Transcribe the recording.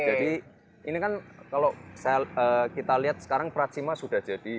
jadi ini kan kalau kita lihat sekarang pracima sudah jadi